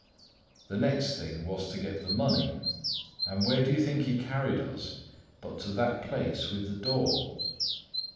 The next thing was to get the money; and where do you think he carried us but to that place with the door?